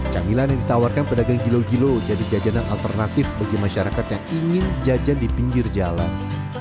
camilan yang ditawarkan pedagang gilo gilo jadi jajanan alternatif bagi masyarakat yang ingin jajan di pinggir jalan